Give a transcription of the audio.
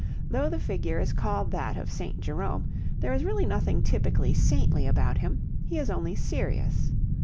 Though the figure is called that of St. Jerome, there is really nothing typically saintly about him; he is only serious.